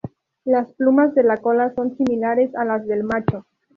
Las plumas de la cola son similares a las del macho.